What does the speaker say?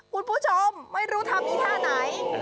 คุณผู้ชมไม่รู้ทำอีท่าไหน